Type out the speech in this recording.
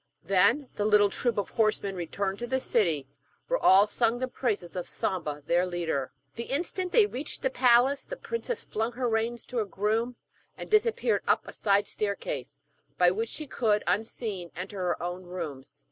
Then the little troop of horsemen returned to the city, where all sung the praises of Samba their leader. The instant they reached the palace the princess flung her reins to a groom, and disappeared up a side staircase, by which she could, unseen, enter her own rooms.